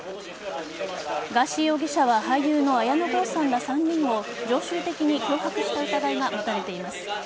ガーシー容疑者は俳優の綾野剛さんら３人を常習的に脅迫した疑いが持たれています。